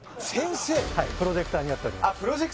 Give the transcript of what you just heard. ・はいプロジェクターになっております